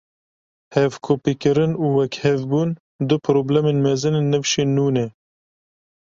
Hevkopîkirin û wekhevbûn du problemên mezin ên nivşên nû ne.